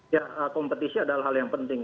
ya kompetisi adalah hal yang penting